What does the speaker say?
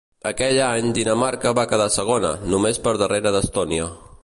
Aquell any, Dinamarca va quedar segona, només per darrere d'Estònia.